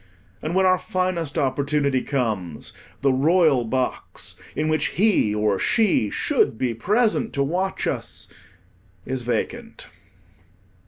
And when our finest opportunity comes, the royal box, in which he or she should be present to watch us, is vacant.